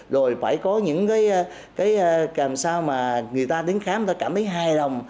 rồi phải có những cái làm sao mà người ta đến khám người ta cảm thấy hài lòng